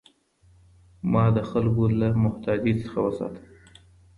ما د خلکو له محتاجۍ څخه وساته.